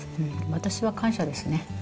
私は感謝ですね。